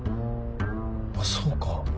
あっそうか。